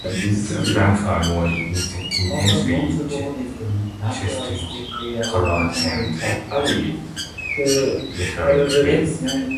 The flanks are more intensely chestnut colored and the back is metallic green.